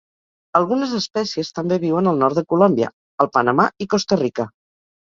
Algunes espècies també viuen al nord de Colòmbia, el Panamà i Costa Rica.